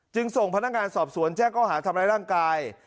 จึงส่งพนักงานสอบสวนแจ้งก้อหาธรรมดาลัยร่างกาย